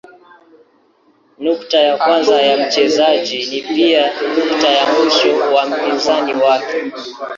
Nukta ya kwanza ya mchezaji ni pia nukta ya mwisho wa mpinzani wake.